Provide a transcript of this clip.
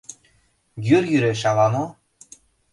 Йӱр йӱреш ала мо?